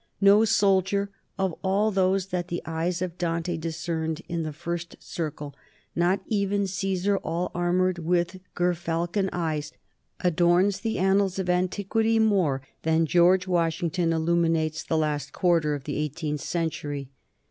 No soldier of all those that the eyes of Dante discerned in the first circle, not even "Caesar, all armored with gerfalcon eyes," adorns the annals of antiquity more than George Washington illuminates the last quarter of the eighteenth century.